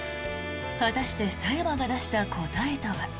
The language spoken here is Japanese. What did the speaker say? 果たして佐山が出した答えとは。